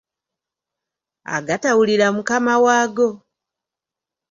Agatawulira mukama waago.